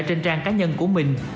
trên trang cá nhân của mình